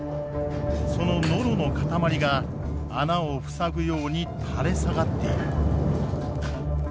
そのノロの塊が穴を塞ぐように垂れ下がっている。